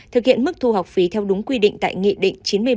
thực hiện mức thu học phí theo đúng quy định